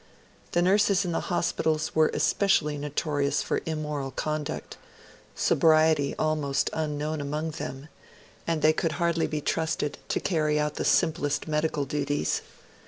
The nurses in the hospitals were especially notorious for immoral conduct; sobriety was almost unknown among them; and they could hardly be trusted to carry out the simplest medical duties.